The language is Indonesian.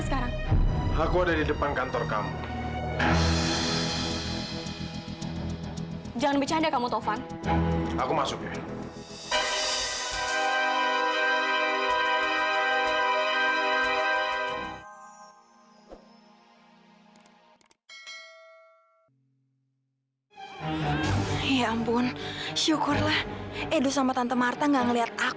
sampai jumpa di video selanjutnya